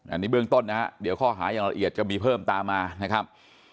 อันนี้เบื้องต้นนะฮะเดี๋ยวข้อหาอย่างละเอียดจะมีเพิ่มตามมานะครับ